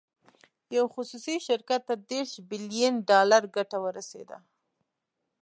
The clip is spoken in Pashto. یو خصوصي شرکت ته دېرش بیلین ډالر ګټه ورسېده.